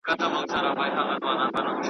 کله چي لوی استاد د وخت د حکومت څخه